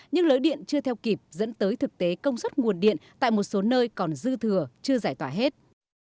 nhưng lưới điện chưa theo kịp dẫn tới thực tế công suất nguồn điện tại một số nơi còn dư thừa chưa giải tỏa hết